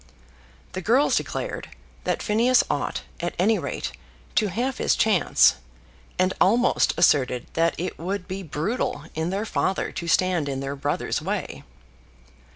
The girls declared that Phineas ought, at any rate, to have his chance, and almost asserted that it would be brutal in their father to stand in their brother's way.